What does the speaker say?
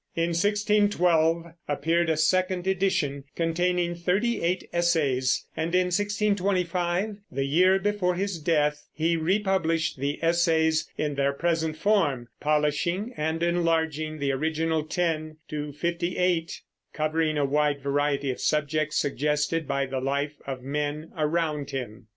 In 1612 appeared a second edition containing thirty eight essays, and in 1625, the year before his death, he republished the Essays in their present form, polishing and enlarging the original ten to fifty eight, covering a wide variety of subjects suggested by the life of men around him.